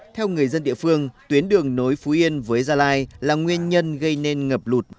theo người dân địa phương tuyến đường nối phú yên với gia lai là nguyên nhân gây nên ngập lụt